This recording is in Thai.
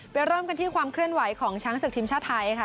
เริ่มกันที่ความเคลื่อนไหวของช้างศึกทีมชาติไทยค่ะ